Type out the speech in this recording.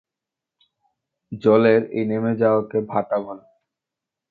জলের এই নেমে যাওয়াকে ভাটা বলে।